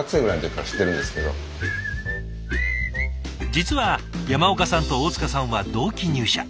実は山岡さんと大塚さんは同期入社。